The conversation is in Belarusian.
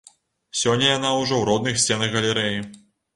Сёння яна ўжо ў родных сценах галерэі.